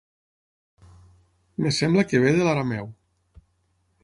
Em sembla que ve de l'arameu.